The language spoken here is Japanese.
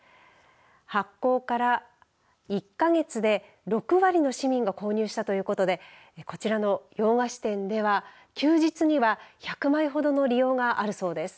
発行から１か月で６割の市民が購入したということでこちらの洋菓子店では休日には１００枚ほどの利用があるそうです。